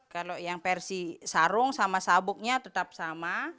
kalau yang versi sarung sama sabuknya tetap sama